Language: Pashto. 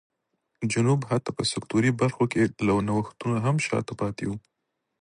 جنوب حتی په سکتوري برخو کې له نوښتونو هم شا ته پاتې و.